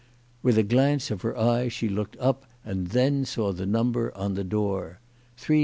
With a glance of her eye she looked up, and then saw the number on the door : 353.